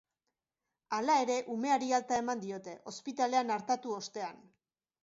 Hala ere, umeari alta eman diote, ospitalean artatu ostean.